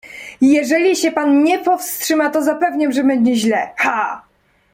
"Jeżeli się pan nie powstrzyma, to zapewniam, że będzie źle... Ha!"